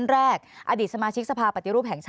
อันดับสุดท้ายแก่มือ